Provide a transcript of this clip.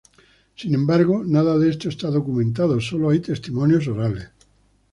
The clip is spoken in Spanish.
Sin embargo, nada de esto está documentado, sólo hay testimonios orales.